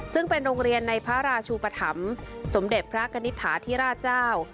ซึ่งเป็นโรงเรียนในพระราชูปธรรมสมเด็จพระกณิตฐาธิราชเจ้า